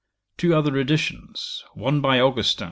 Two other editions, one by ... _Augustin.